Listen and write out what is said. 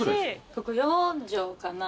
ここ４帖かな。